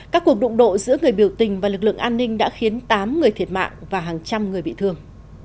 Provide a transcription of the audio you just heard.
các cuộc đụng độ giữa người biểu tình và lực lượng an ninh đã khiến tám người thiệt mạng và hàng trăm người bị thương